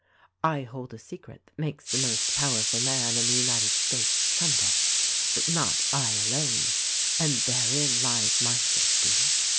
I hold a secret that makes the most powerful man in the United States tremble — but not I alone, and therein lies my safety."